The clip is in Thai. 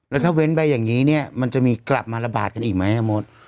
แล้วถ้าเว้นไปอย่างนี้เนี่ยมันจะมีกลับมาระบาดกันอีกไหมมด